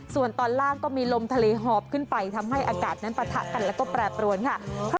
ส่วนตอนล่างก็มีลมทะเลหอบขึ้นไปทำให้อากาศนั้นปะทะกันแล้วก็แปรปรวนค่ะ